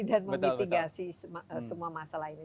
dan memitigasi semua masalah ini